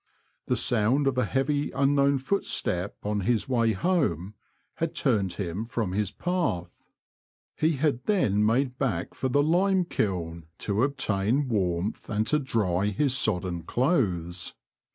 The sound of a heavy unknown footstep on his way home, had turned him from his path. He had then made back for the lime kiln to obtain warmth and to dry his sodden clothes.